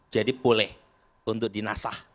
jadi boleh untuk dinasah